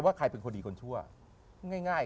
ใครเป็นคนดีคนชั่วง่าย